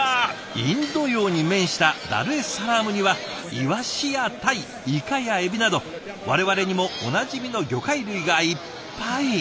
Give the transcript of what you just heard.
インド洋に面したダルエスサラームにはイワシやタイイカやエビなど我々にもおなじみの魚介類がいっぱい。